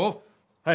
はい！